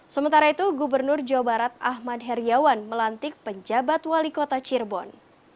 sementara itu gubernur jawa barat ahmad heriawan melantik penjabat wali kota cirebon